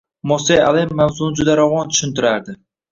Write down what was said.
Mos`e Amel mavzuni juda ravon tushuntirardi